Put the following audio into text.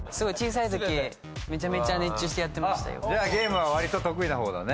じゃあゲームは割と得意な方だね。